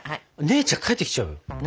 姉ちゃん帰ってきちゃうよ。